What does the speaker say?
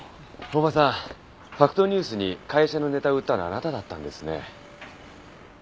大場さん『ファクトニュース』に会社のネタを売ったのあなただったんですね。